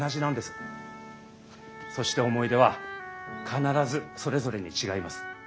そして思い出は必ずそれぞれに違います。